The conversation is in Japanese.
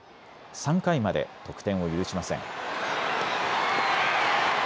３回まで得点を許しません。